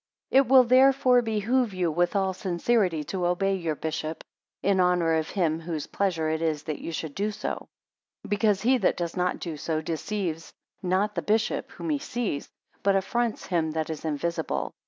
7 It will therefore behove you with all sincerity, to obey your bishop; in honour of him whose pleasure it is that ye should do so. 8 Because he that does not do so, deceives not the bishop whom he sees, but affronts him that is invisible.